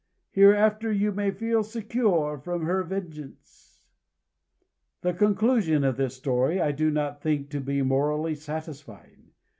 Hereafter you may feel secure from her vengeance." [Decoration] The conclusion of this story I do not think to be morally satisfying.